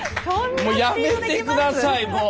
もうやめて下さいもう。